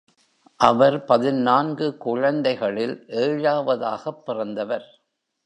அவர் பதினான்கு குழந்தைகளில் ஏழாவதாகப் பிறந்தவர்.